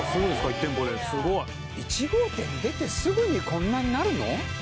１店舗でスゴい１号店出てすぐにこんなになるの？